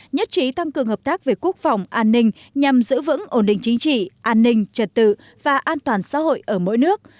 nhất trí tăng cường hợp tác về quốc phòng an ninh nhằm giữ vững ổn định chính trị an ninh trật tự và an toàn xã hội ở mỗi nước